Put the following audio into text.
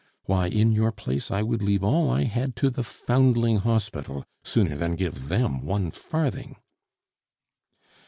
Why, in your place, I would leave all I had to the Foundling Hospital sooner than give them one farthing!"